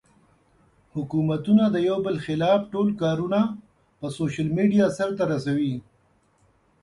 حکومتونه د يو بل خلاف ټول کارونه پۀ سوشل ميډيا سر ته رسوي